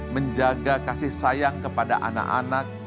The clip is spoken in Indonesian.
menjaga kasih sayang kepada anak anak